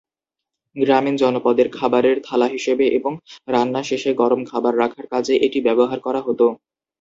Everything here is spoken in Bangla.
গ্রামীণ জনপদে খাবারের থালা হিসেবে এবং রান্না শেষে গরম খাবার রাখার কাজে এটি ব্যবহার করা হত।